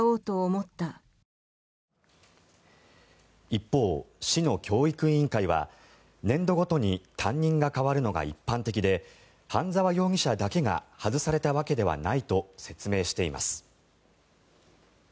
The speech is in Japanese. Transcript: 一方、市の教育委員会は年度ごとに担任が代わるのが一般的で半澤容疑者だけが外されたわけではないと説明しています。